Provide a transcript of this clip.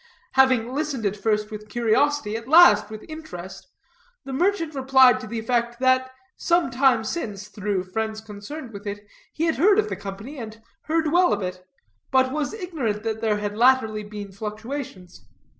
Having listened at first with curiosity, at last with interest, the merchant replied to the effect, that some time since, through friends concerned with it, he had heard of the company, and heard well of it, but was ignorant that there had latterly been fluctuations.